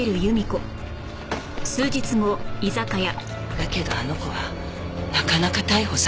だけどあの子はなかなか逮捕されなかった。